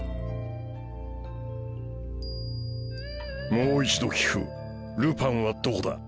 もう一度聞くルパンはどこだ？